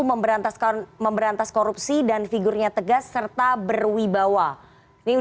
memberantaskan memberantas korupsi dan figurnya tegas serta berwibawa ini